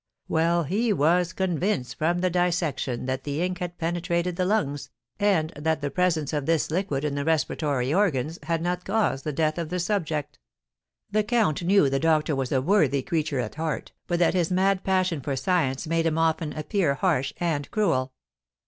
Well, he was convinced from the dissection that the ink had penetrated the lungs, and that the presence of this liquid in the respiratory organs had not caused the death of the subject." The count knew the doctor was a worthy creature at heart, but that his mad passion for science made him often appear harsh and cruel.